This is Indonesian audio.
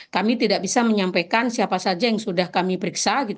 kami tidak bisa menyampaikan siapa saja yang sudah kami periksa